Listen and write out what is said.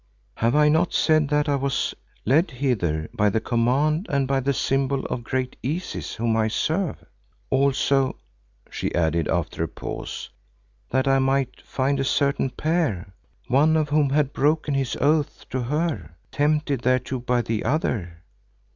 "Have I not said that I was led hither by the command and the symbol of great Isis whom I serve? Also," she added after a pause, "that I might find a certain pair, one of whom had broken his oaths to her, tempted thereto by the other."